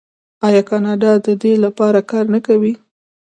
آیا کاناډا د دې لپاره کار نه کوي؟